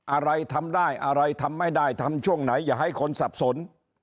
อะไรทำได้อะไรทำไม่ได้ทำช่วงไหนอย่าให้คนสับสน